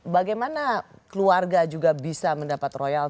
bagaimana keluarga juga bisa mendapat royal